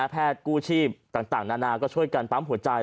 กู้ชีพต่างนานาก็ช่วยกันปั๊มหัวใจ